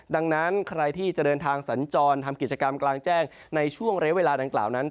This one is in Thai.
ดังนั้นใครที่จะเดินทางสัญจรทำกิจกรรมกลางแจ้งในช่วงเรียกเวลาดังกล่าวนั้น